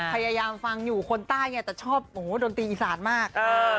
พยายามฟังอยู่คนใต้เนี่ยแต่ชอบดนตรีอีสานมาก